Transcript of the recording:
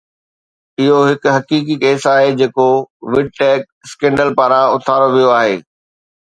اهو هڪ حقيقي ڪيس آهي جيڪو Vidtech اسڪينڊل پاران اٿاريو ويو آهي